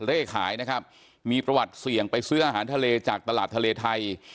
เลขขายนะครับมีประวัติเสี่ยงไปซื้ออาหารทะเลจากตลาดทะเลไทย